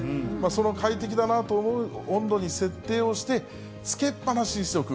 その快適だなと思う温度に設定をして、つけっぱなしにしておく。